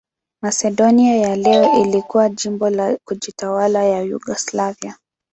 Masedonia ya leo ilikuwa jimbo la kujitawala la Yugoslavia.